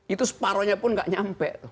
itu separohnya pun gak nyampe